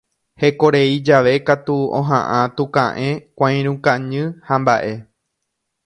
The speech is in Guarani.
Hekorei jave katu oha'ã tuka'ẽ, kuãirũ kañy hamba'e.